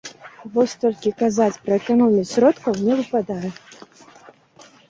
Вось толькі казаць пра эканомію сродкаў не выпадае.